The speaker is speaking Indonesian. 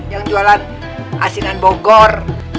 yang jualan asinan bogor